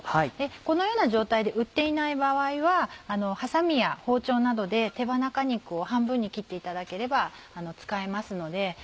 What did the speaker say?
このような状態で売っていない場合はハサミや包丁などで手羽中肉を半分に切っていただければ使えますので。